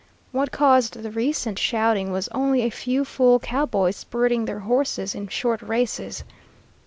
What caused the recent shouting was only a few fool cowboys spurting their horses in short races.